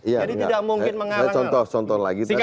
jadi tidak mungkin mengarangkan